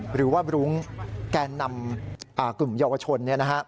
หรือว่าบรุ้งแกนนำกลุ่มเยาวชน